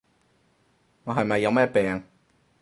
我係咪有咩病？